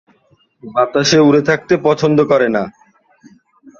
বাতাসে উড়ে থাকতে পছন্দ করে না।